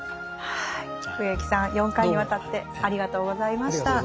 植木さん４回にわたってありがとうございました。